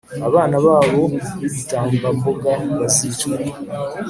abana babo b’ibitambambuga bazicwe,